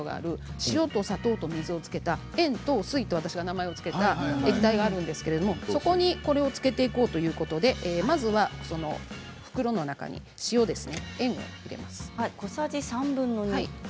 塩と砂糖と水に漬ける、塩糖水と名前を付けた液体があるんですけれども、それに漬けていこうということでまずは袋の中に塩ですね。